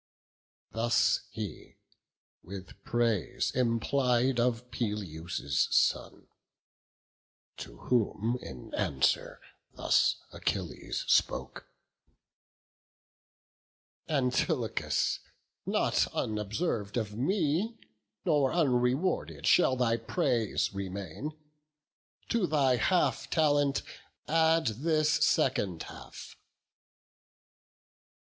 Thus he, with praise implied of Peleus' son; To whom in answer thus Achilles spoke: "Antilochus, not unobserv'd of me Nor unrewarded shall thy praise remain: To thy half talent add this second half."